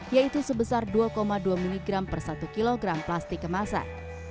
yaitu sebesar dua dua miligram per satu kg plastik kemasan